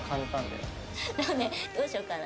でもねどうしようかな？